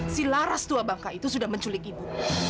si laras tua bangka itu sudah menculik ibu